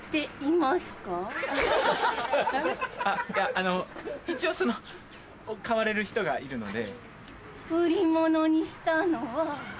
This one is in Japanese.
あの一応その買われる人がいるので。